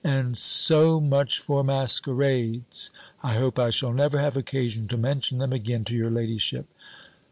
And so much for masquerades. I hope I shall never have occasion to mention them again to your ladyship.